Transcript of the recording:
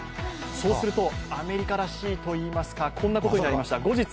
そうすると、アメリカらしいというか、こんなことになりました。